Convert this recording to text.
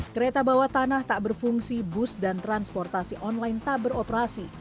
kereta bawah tanah tak berfungsi bus dan transportasi online tak beroperasi